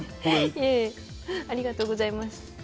ありがとうございます。